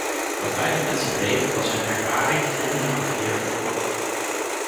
Wat beide mensen dreef was hun ervaring en hun afkeer van oorlog.